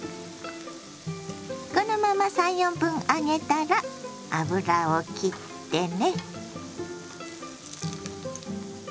このまま３４分揚げたら油をきってね。